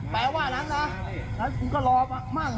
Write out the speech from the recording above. แปลว่านั้นนะ